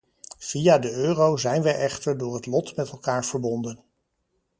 Via de euro zijn wij echter door het lot met elkaar verbonden.